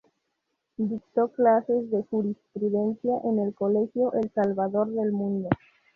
Dictó clases de jurisprudencia en el colegio El Salvador del Mundo.